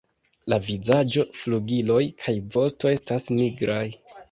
La vizaĝo, flugiloj kaj vosto estas nigraj.